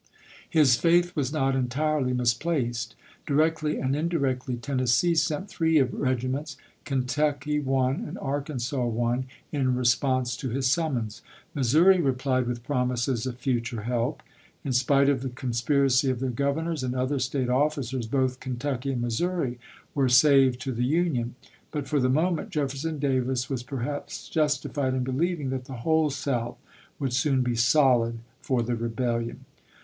His faith was not entirely misplaced ; directly and indirectly, Tennessee sent three regiments, Kentucky one, and Arkansas one, in response to his summons ; Missouri replied with promises of future help. In spite of the con spiracy of their Governors and other State officers, both Kentucky and Missouri were saved to the Union ; but for the moment Jefferson Davis was perhaps justified in believing that the whole South would soon be solid for the rebellion.